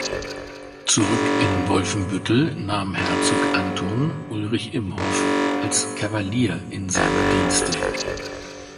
Zurück in Wolfenbüttel nahm Herzog Anton Ulrich Imhoff als Kavalier in seine Dienste.